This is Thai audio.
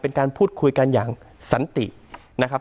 เป็นการพูดคุยกันอย่างสันตินะครับ